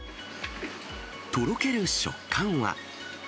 とろける食感は。